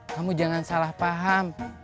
kamu jangan salah paham